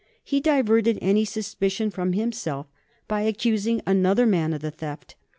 He diverted any suspicion from himself by accusing another man of the theft.